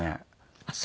あっそう。